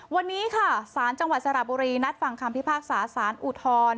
วันนี้ค่ะสารจังหวัดสระบุรีนัดฟังคำพิพากษาสารอุทธร